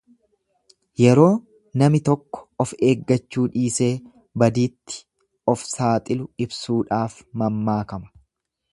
Yeroo nami tokko of eeggachuu dhiisee badiitti of saaxilu ibsuudhaaf mammaakama.